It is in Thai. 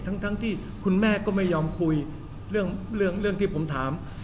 ทั้งที่คุณแม่ก็ไม่ยอมคุยเรื่องเรื่องที่ผมถาม